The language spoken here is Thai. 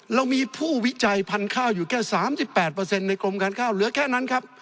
เรามีผู้วิจัยพันธุ์ข้าวอยู่แค่๓๘ในกรมการข้าวเหลือแค่นั้นครับ